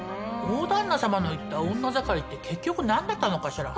大旦那様の言った「オンナザカリ」って結局なんだったのかしら？